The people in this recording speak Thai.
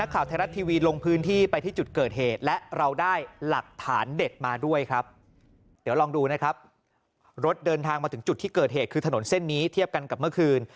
คือถนนเส้นนี้เทียบกันกับเมื่อคืน